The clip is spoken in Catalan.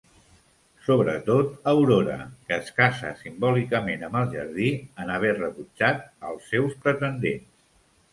Sobretot Aurora, que es casa simbòlicament amb el jardí, en haver rebutjat als seus pretendents.